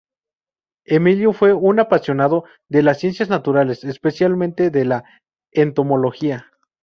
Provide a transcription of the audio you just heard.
Emilio fue un apasionado de las ciencias naturales, especialmente de la entomología.